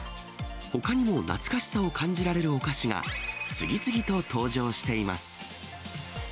ほかにも懐かしさを感じられるお菓子が、次々と登場しています。